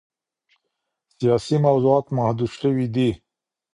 سیاسي موضوعات محدود شوي دي.